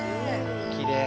きれい。